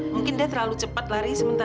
mungkin dia terlalu cepat lari sementara itu